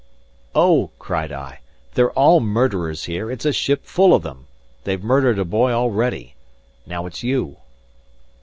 "O!" cried I, "they're all murderers here; it's a ship full of them! They've murdered a boy already. Now it's you."